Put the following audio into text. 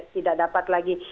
tidak dapat lagi